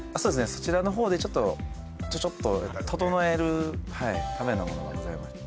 そちらのほうでちょっと整えるためのものがございまして